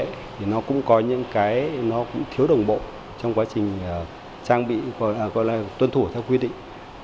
thì nó cũng có những cái nó cũng thiếu đồng bộ trong quá trình trang bị gọi là tuân thủ theo quy định